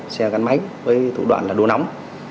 xe gắn máy với thủ đoạn là đua nóng